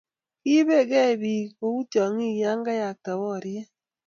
Kiiebegei biik kou tyong'in ya koyaaka boriet